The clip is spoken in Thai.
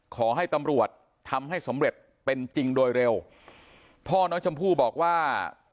ขอให้ตำรวจทำให้สำเร็จเป็นจริงโดยเร็วพ่อน้องชมพู่บอกว่า